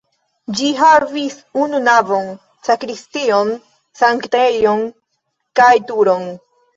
Ĝi havis unu navon, sakristion, sanktejon kaj turon.